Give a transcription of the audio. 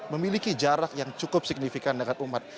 memiliki jarak yang cukup signifikan dengan umat